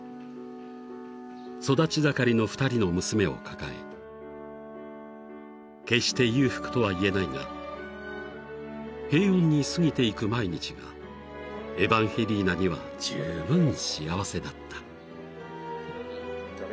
［育ち盛りの２人の娘を抱え決して裕福とは言えないが平穏に過ぎていく毎日がエバンヘリーナにはじゅうぶん幸せだった］